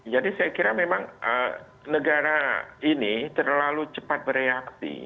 jadi saya kira memang negara ini terlalu cepat bereaksi